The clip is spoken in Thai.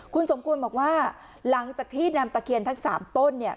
คุณสมควรบอกว่าหลังจากที่นำตะเคียนทั้ง๓ต้นเนี่ย